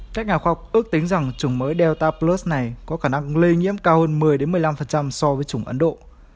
các nhà khoa học ước tính rằng chủng mới delta plus này có khả năng lây nhiễm cao hơn một mươi một mươi năm so với chủng ấn độ